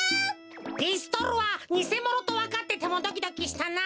ピストルはにせものとわかっててもドキドキしたなあ。